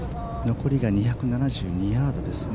残りが２７２ヤードですね。